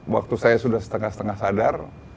waktu saya sudah setengah setengah sadar